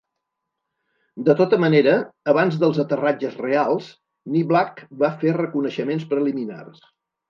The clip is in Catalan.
De tota manera, abans dels aterratges reals, "Niblack" va fer reconeixements preliminars.